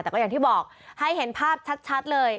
แต่ก็อย่างที่บอกให้เห็นภาพชัดเลย